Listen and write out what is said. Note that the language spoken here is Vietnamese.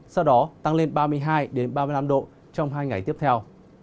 sau đó tăng lên ba mươi hai ba mươi năm độ trong hai ngày tiếp theo